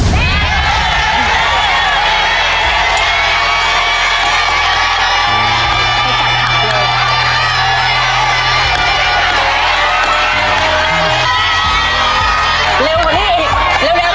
ตัวเลือกที่สี่ชัชวอนโมกศรีครับ